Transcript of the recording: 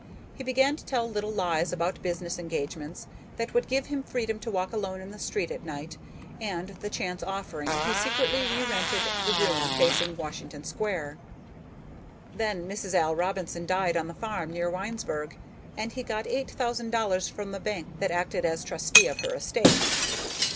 He began to tell little lies about business engagements that would give him freedom to walk alone in the street at night and, the chance offering, he secretly re rented the room facing Washington Square. Then Mrs. Al Robinson died on the farm near Winesburg, and he got eight thousand dollars from the bank that acted as trustee of her estate.